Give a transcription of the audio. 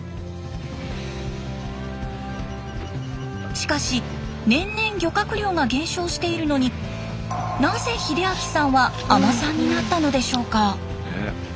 しかし年々漁獲量が減少しているのになぜ秀明さんは海人さんになったのでしょうか。